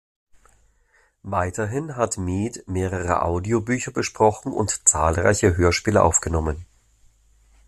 Weiterhin hat Meade mehrere Audio-Bücher besprochen und zahlreiche Hörspiele aufgenommen.